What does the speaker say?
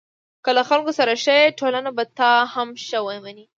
که له خلکو سره ښه یې، ټولنه به تا هم ښه ومني.